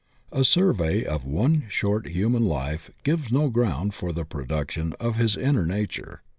A survey of one short human life gives no ground for the production of his inner nature.